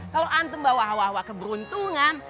kalau antum bawa hawa hawa keberuntungan